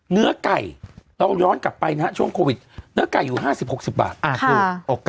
เนื้อไก่เราย้อนกลับไปนะฮะช่วงโควิดเนื้อไก่อยู่ห้าสิบหกสิบบาทอ่ะค่ะ